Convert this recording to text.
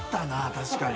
確かに。